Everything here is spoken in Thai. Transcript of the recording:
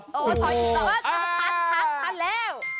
ถอยถอยถอยถอนแล้ว